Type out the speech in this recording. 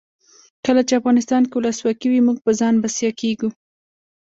کله چې افغانستان کې ولسواکي وي موږ په ځان بسیا کیږو.